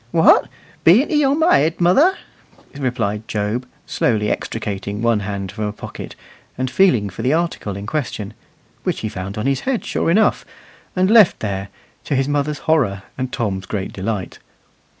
"What! bean't 'ee on ma head, mother?" replied Job, slowly extricating one hand from a pocket, and feeling for the article in question; which he found on his head sure enough, and left there, to his mother's horror and Tom's great delight.